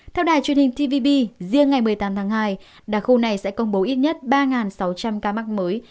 theo đài truyền hình tpbb riêng ngày một mươi tám tháng hai đặc khu này sẽ công bố ít nhất ba sáu trăm linh ca mắc mới